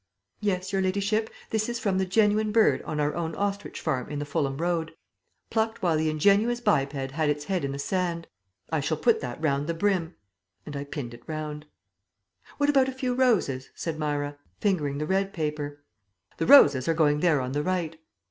"Yes, your ladyship, this is from the genuine bird on our own ostrich farm in the Fulham Road. Plucked while the ingenuous biped had its head in the sand. I shall put that round the brim," and I pinned it round. "What about a few roses?" said Myra, fingering the red paper. "The roses are going there on the right."